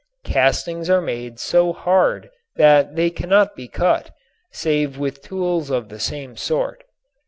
Castings are made so hard that they cannot be cut save with tools of the same sort.